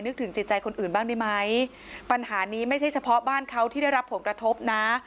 ถึงจิตใจคนอื่นบ้างได้ไหมปัญหานี้ไม่ใช่เฉพาะบ้านเขาที่ได้รับผลกระทบนะ